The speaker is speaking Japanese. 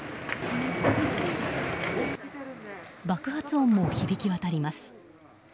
爆発音も響き渡ります。